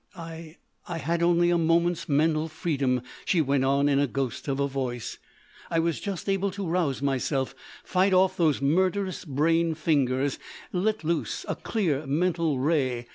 "I—I had only a moment's mental freedom," she went on in a ghost of a voice. "I was just able to rouse myself, fight off those murderous brain fingers—let loose a clear mental ray....